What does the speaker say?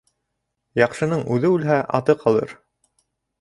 Яҡшының үҙе үлһә, аты ҡалыр.